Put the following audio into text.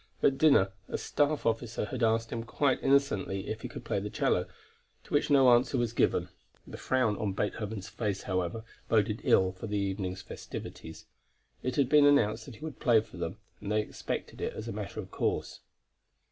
At dinner, a staff officer had asked him quite innocently if he could play the cello, to which no answer was given; the frown on Beethoven's face, however, boded ill for the evening's festivities. It had been announced that he would play for them, and they expected it as a matter of course.